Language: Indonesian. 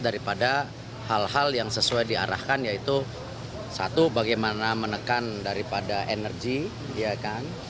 daripada hal hal yang sesuai diarahkan yaitu satu bagaimana menekan daripada energi ya kan